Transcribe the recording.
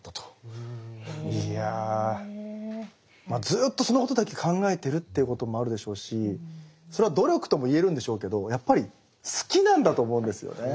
ずっとそのことだけ考えてるということもあるでしょうしそれは努力とも言えるんでしょうけどやっぱり好きなんだと思うんですよね